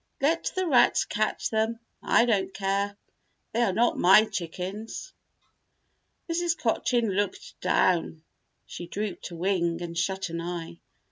"Let the rats catch them, I don't care. They are not my chickens." Mrs. Cochin looked down. She drooped a wing and shut an eye.